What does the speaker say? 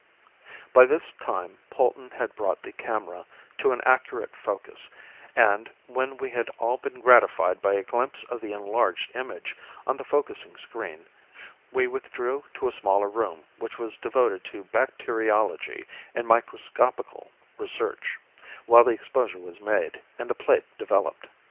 By this time Polton had brought the camera to an accurate focus and, when we had all been gratified by a glimpse of the enlarged image on the focussing screen, we withdrew to a smaller room which was devoted to bacteriology and microscopical research, while the exposure was made and the plate developed.